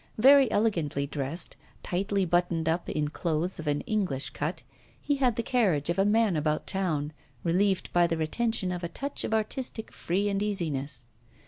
Very elegantly dressed, tightly buttoned up in clothes of an English cut, he had the carriage of a man about town, relieved by the retention of a touch of artistic free and easiness.